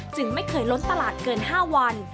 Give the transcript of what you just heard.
ไม่เคยล้นตลาดเกิน๕วัน